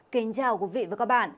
kính chào quý vị và các bạn